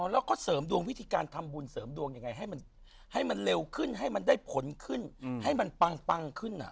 แล้วก็เสริมดวงวิธีการทำบุญเสริมดวงยังไงให้มันให้มันเร็วขึ้นให้มันได้ผลขึ้นให้มันปังขึ้น